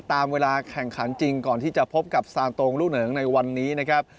ตามเวลาแข่งขันจริงก่อนที่จะพบกับซานโตงลูกเหนิงในวันนี้นะครับ